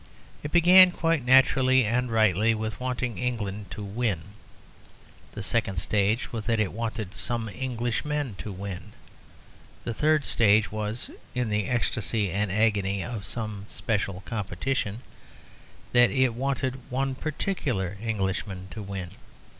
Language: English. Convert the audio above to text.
It began, quite naturally and rightly, with wanting England to win. The second stage was that it wanted some Englishmen to win. The third stage was (in the ecstasy and agony of some special competition) that it wanted one particular Englishman to win.